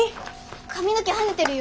髪の毛はねてるよ。